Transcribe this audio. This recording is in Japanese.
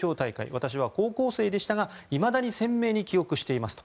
私は高校生でしたがいまだに鮮明に記憶していますと。